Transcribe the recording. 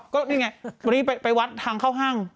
ก็นี่ไงวันนี้ไปวัดทางเข้าห้าง